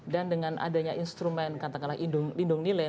dan dengan adanya instrumen katakanlah lindung nilai